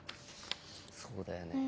そうだよね。